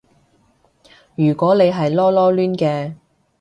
如果你係囉囉攣嘅